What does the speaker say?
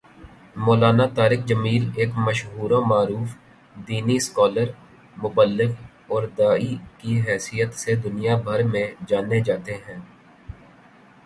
مولانا طارق جمیل ایک مشہور و معروف دینی سکالر ، مبلغ اور داعی کی حیثیت سے دنیا بھر میں جانے جاتے ہیں